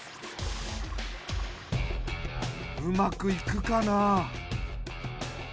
うまくいくかな？